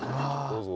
どうぞ。